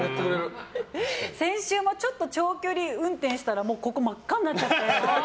先週もちょっと長距離運転したら顔真っ赤になっちゃって。